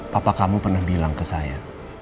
papa kamu pernah bilang ke saya